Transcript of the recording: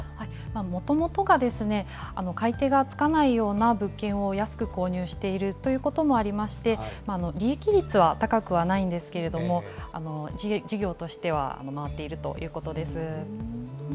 もともとが買い手がつかないような物件を安く購入しているということもありまして、利益率は高くはないんですけれども、事業としては回っているということです。